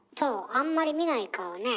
あんまり見ない顔ねえ。